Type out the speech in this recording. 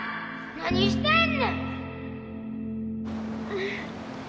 何してんねん！